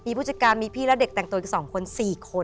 มีผู้จัดการมีพี่และเด็กแต่งตัวอีก๒คน๔คน